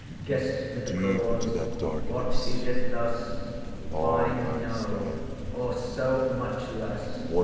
Guess me the cause—what is it thus?—fye, no. Or so?—much less.